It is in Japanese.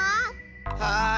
はい！